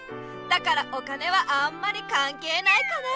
だからお金はあんまりかんけいないかな。